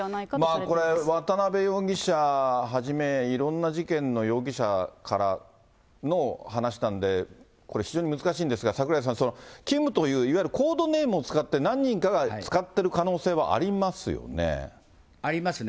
これ、渡辺容疑者はじめ、いろんな事件の容疑者からの話なんで、これ非常に難しいんですが、櫻井さん、キムという、いわゆるコードネームを使って、何人かが使ってる可能性はありますよね。ありますね。